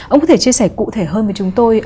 ông có thể chia sẻ cụ thể hơn với chúng tôi